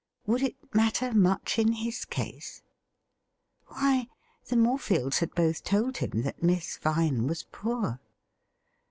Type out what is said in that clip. Would it matter much in his case ? Why, the Morefields had both told him that Miss Vine was poor.